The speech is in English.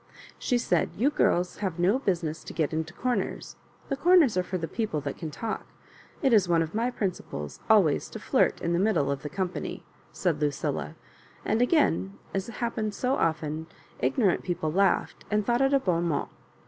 She said, "You giris have no busi ness to get into comers. The comers are for the people that can talk. It is one of my principles always to flirt in the middle of the company," said Lucilla ; and again, as happened so often, ignorant people laughed and thought it a bon mot.